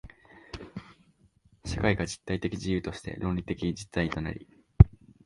社会が実体的自由として倫理的実体となり、